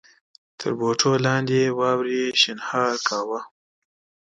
تر بوټو لاندې واورې شڼهار کاوه.